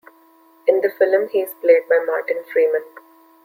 In the film he is played by Martin Freeman.